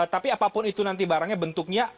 tapi apapun itu nanti barangnya bentuknya